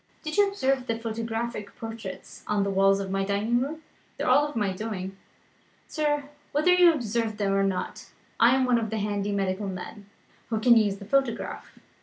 Did you observe the photographic portraits on the walls of my dining room? They are of my doing, sir whether you observed them or not I am one of the handy medical men, who can use the photograph.